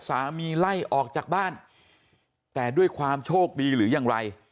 ไล่ออกจากบ้านแต่ด้วยความโชคดีหรือยังไร